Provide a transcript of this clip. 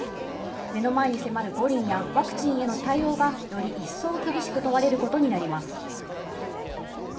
目の前に迫る五輪やワクチンへの対応がより一層厳しく問われることになります。